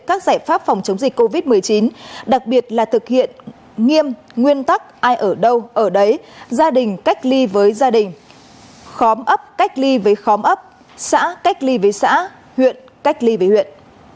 các giải pháp phòng chống dịch covid một mươi chín đặc biệt là thực hiện nghiêm nguyên tắc ai ở đâu ở đấy gia đình cách ly với gia đình khóm ấp cách ly với khóm ấp xã cách ly với huyện